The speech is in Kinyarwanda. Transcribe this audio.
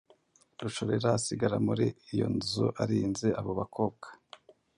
Rushorera asigara muri iyo nzu arinze abo bakobwa.